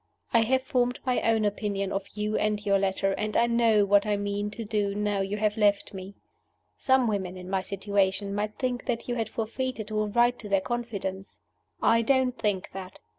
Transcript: I have formed my own opinion of you and your letter; and I know what I mean to do now you have left me. Some women, in my situation, might think that you had forfeited all right to their confidence. I don't think that.